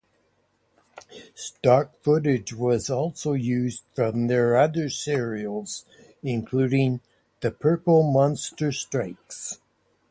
Stock footage was also used from their other serials, including "The Purple Monster Strikes".